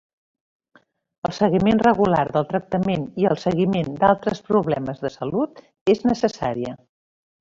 El seguiment regular del tractament i el seguiment d'altres problemes de salut és necessària.